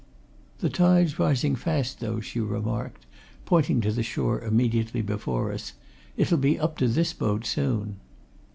"The tide's rising fast, though," she remarked, pointing to the shore immediately before us. "It'll be up to this boat soon."